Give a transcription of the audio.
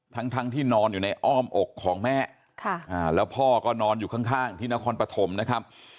ทั้งที่นอนอยู่ในอ้อมอกของแม่แล้วพ่อก็นอนอยู่ข้างที่นครปฐมนะครับ